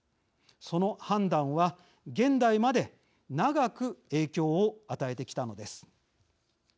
その判断は、現代まで長く影響を与えてきたのです。